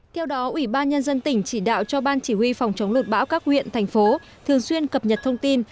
theo đó ủy ban nhân dân tỉnh chỉ đạo cho ban chỉ huy phòng chống lụt bão các huyện thành phố thường xuyên cập nhật thông tin